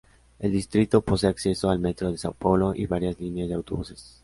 El distrito posee acceso al Metro de São Paulo y varias líneas de autobuses.